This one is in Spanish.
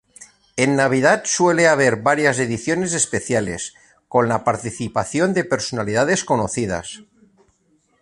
En Navidad suele haber varias ediciones especiales, con la participación de personalidades conocidas.